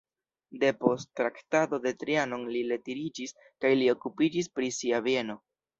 Depost Traktato de Trianon li retiriĝis kaj li okupiĝis pri sia bieno.